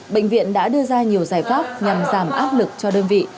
bệnh viện đã đưa ra nhiều giải pháp nhằm giảm áp lực cho đơn vị